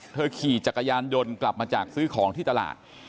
ขี่จักรยานยนต์กลับมาจากซื้อของที่ตลาด